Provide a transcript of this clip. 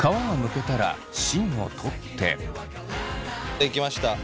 できました。